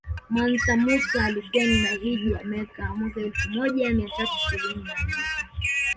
Mansa Musa alikwenda hijja Mecca mwaka elfu moja mia tatu na ishirini na nne